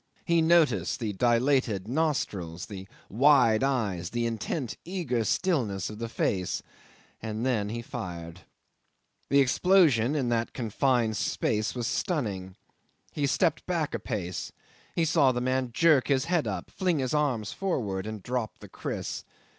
He noticed the dilated nostrils, the wide eyes, the intent, eager stillness of the face, and then he fired. 'The explosion in that confined space was stunning. He stepped back a pace. He saw the man jerk his head up, fling his arms forward, and drop the kriss.